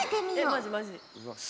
えマジマジ。